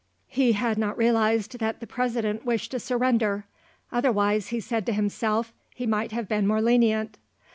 He had not realised that the President wished to surrender; otherwise, he said to himself, he might have been more lenient.